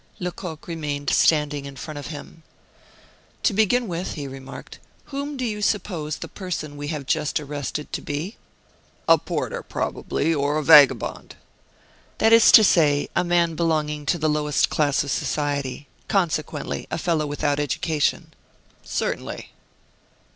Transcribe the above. Lecoq remained standing in front of him. "To begin with," he remarked, "whom do you suppose the person we have just arrested to be?" "A porter, probably, or a vagabond." "That is to say, a man belonging to the lowest class of society: consequently, a fellow without education." "Certainly."